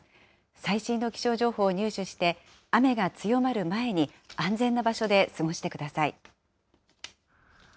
最新の気象情報を入手して、雨が強まる前に、安全な場所で過ごしてください。